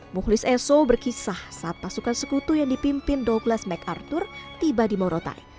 mukhlis esok berkisah saat pasukan sekutu yang dipimpin douglas macarthur tiba di murau taik